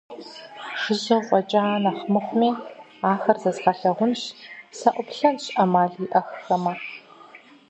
Жыжьэу фӀэкӀа нэхъ мыхъуми, ахэр зэзгъэлъагъунщ, саӀуплъэнщ Ӏэмал иӀэххэмэ.